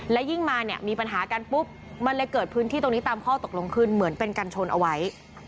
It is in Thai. และยิ่งมาเนี่ยมีปัญหากันปุ๊บมันเลยเกิดพื้นที่ตรงนี้ตามข้อตกลงขึ้นเหมือนเป็นกัญชนเอาไว้